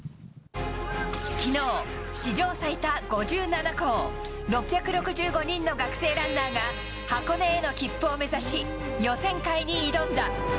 きのう、史上最多５７校、６６５人の学生ランナーが箱根への切符を目指し、予選会に挑んだ。